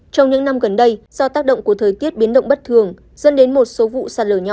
trong những năm gần đây do tác động của thời tiết biến động bất thường dẫn đến một số vụ sạt lở nhỏ